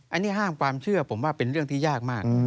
อันนี้ห้ามความเชื่อผมว่าเป็นเรื่องที่ยากมาก